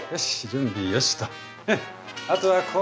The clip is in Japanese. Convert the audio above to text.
あとは氷！